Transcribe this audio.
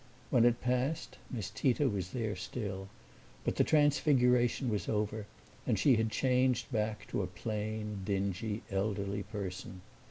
When it passed Miss Tita was there still, but the transfiguration was over and she had changed back to a plain, dingy, elderly person.